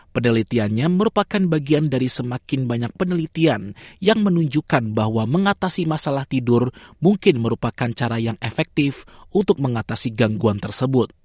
penelitiannya merupakan bagian dari semakin banyak penelitian yang menunjukkan bahwa mengatasi masalah tidur mungkin merupakan cara yang efektif untuk mengatasi gangguan tersebut